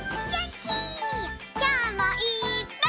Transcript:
きょうもいっぱい。